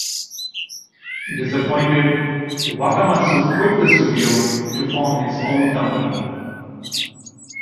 Disappointed, Wakamatsu quit the studio to form his own company.